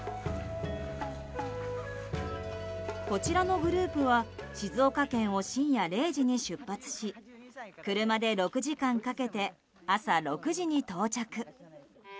こちらのグループは静岡県を深夜０時に出発し車で６時間かけて朝６時に到着。